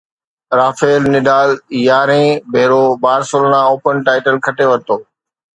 Rafale Nadal يارهين ڀيرو Barcelona open title کٽي ورتو